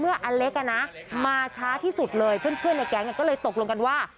อเล็กมาช้าที่สุดเลยเพื่อนในแก๊งก็เลยตกลงกันว่า